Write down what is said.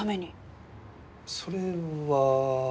それは。